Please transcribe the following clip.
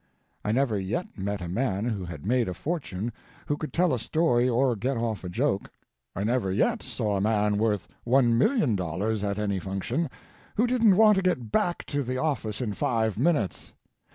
I never yet met a man who had made a fortune who could tell a story or get off a joke. I never yet saw a man worth $1,000,000 at any function who didn't want to get back to the office in five minutes.